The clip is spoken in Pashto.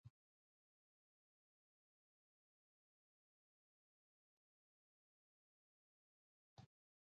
ازادي راډیو د امنیت په اړه د خلکو احساسات شریک کړي.